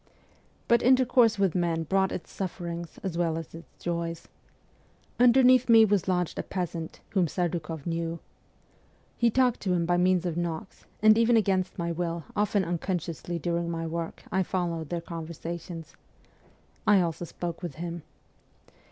But intercourse with men brought its sufferings as well as its joys. Underneath me was lodged a peasant, whom Serdukoff knew. He talked to him by means of knocks ; and even against my will, often unconsciously during my work, I followed their conversations. I also spoke to him.